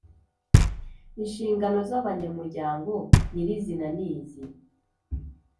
Inshingano z abanyamuryango nyirizina ni izi